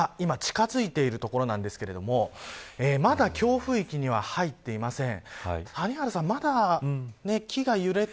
台風が今近づいているところなんですがまだ強風域には入っていません。